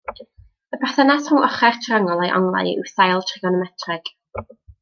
Y berthynas rhwng ochrau'r triongl a'i onglau yw sail trigonometreg.